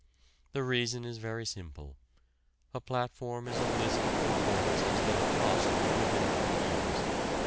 The reason is very simple: a platform is a list of performances that are possible within a few years.